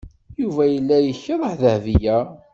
Yuba yella yekṛeh Dahbiya.